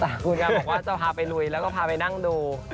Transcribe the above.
ตรงนี้เขาจะพาไปลุยแล้วก็พาไปนั่งดู